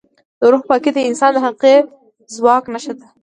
د روح پاکي د انسان د حقیقي ځواک نښه ده.